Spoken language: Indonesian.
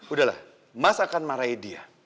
udahlah mas akan marahi dia